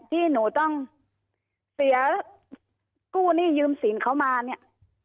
ที่หนูต้องเสียกู้หนี้ยืมสินเขามาเนี่ย